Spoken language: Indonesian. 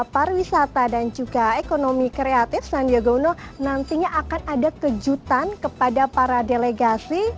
pariwisata dan juga ekonomi kreatif sandiaga uno nantinya akan ada kejutan kepada para delegasi